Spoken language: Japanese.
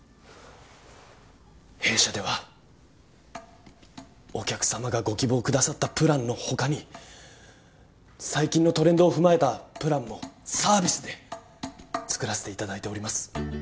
弊社ではお客様がご希望くださったプランの他に最近のトレンドを踏まえたプランもサービスで作らせていただいております。